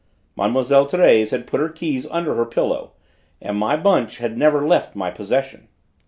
Mlle. Thérèse had put her keys under her pillow, and my bunch had never left my possession."